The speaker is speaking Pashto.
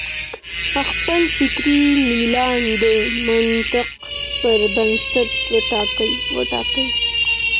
خپل فکري میلان د منطق پر بنسټ وټاکئ.